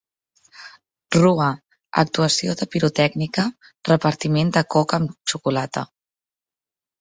Rua, actuació de pirotècnica, repartiment de coca amb xocolata.